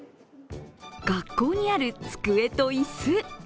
学校にある机と椅子。